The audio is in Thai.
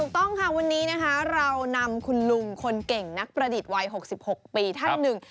ต้องค่ะวันนี้นะคะเรานำคุณลุงคนเก่งนักประดิษฐ์วัย๖๖ปีท่านหนึ่ง